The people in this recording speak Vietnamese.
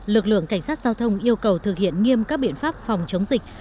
lực lượng cảnh sát giao thông yêu cầu thực hiện nghiêm các biện pháp phòng chống dịch